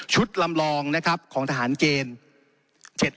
ลำลองนะครับของทหารเกณฑ์